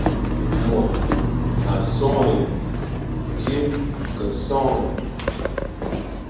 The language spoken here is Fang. Môr a sonhe, tsir ke sonhe,